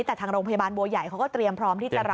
แต่ทางโรงพยาบาลบัวใหญ่เขาก็เตรียมพร้อมที่จะรับ